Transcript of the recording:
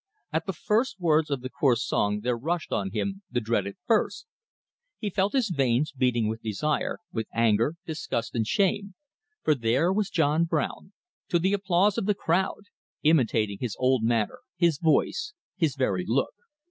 At the first words of the coarse song there rushed on him the dreaded thirst. He felt his veins beating with desire, with anger, disgust, and shame; for there was John Brown, to the applause of the crowd, imitating his old manner, his voice, his very look.